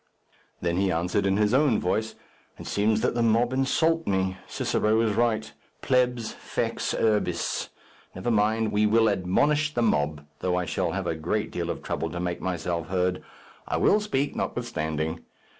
Then he answered in his own voice, "It seems that the mob insult me. Cicero is right: plebs fex urbis. Never mind; we will admonish the mob, though I shall have a great deal of trouble to make myself heard. I will speak, notwithstanding.